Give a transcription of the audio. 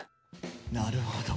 なるほど。